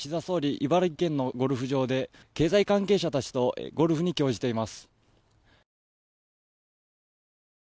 茨城県のゴルフ場で経済関係者たちとゴルフに興じています。